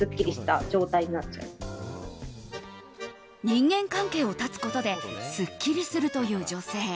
人間関係を絶つことですっきりするという女性。